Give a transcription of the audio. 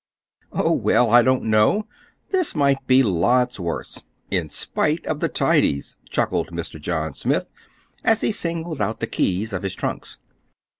"Oh, well, I don't know. This might be lots worse—in spite of the tidies!" chuckled Mr. John Smith, as he singled out the keys of his trunks.